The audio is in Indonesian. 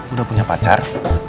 udah punya pacar